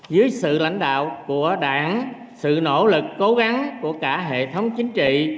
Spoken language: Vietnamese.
dưới sự lãnh đạo của đảng sự nỗ lực cố gắng của cả hệ thống chính trị